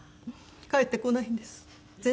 帰ってこないんです全然。